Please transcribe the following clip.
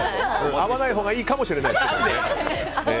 会わないほうがいいかもしれない。